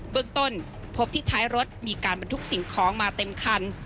เบื้องต้นพบที่ท้ายรถมีการบรรทุกสิ่งของมาเต็มคัน